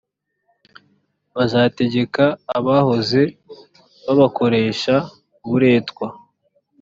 bazategeka abahoze babakoresha uburetwa.